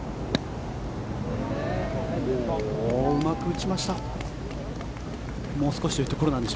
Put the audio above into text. うまく打ちました。